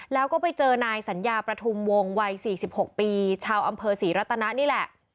แล้วก็ไปเจอนายสัญญาประทุมวงวัย๔๖ปีชาวอำเภอศรีรัตนะนี่แหละ